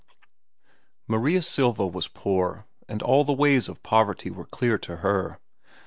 Maria Silva was poor, and all the ways of poverty were clear to her.